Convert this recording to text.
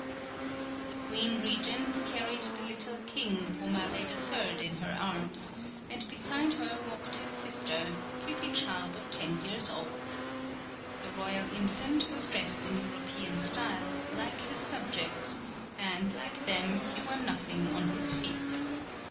The queen regent carried the little king Pomaré III. in her arms, and beside her walked his sister, a pretty child of ten years old. The royal infant was dressed in European style, like his subjects, and like them, he wore nothing on his feet.